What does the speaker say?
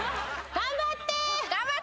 頑張って。